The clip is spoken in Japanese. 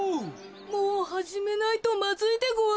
もうはじめないとまずいでごわすよ。